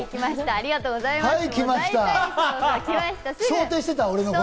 ありがとうございます。